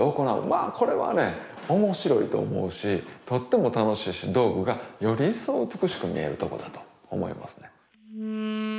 まあこれはね面白いと思うしとっても楽しいし道具がより一層美しく見えるとこだと思いますね。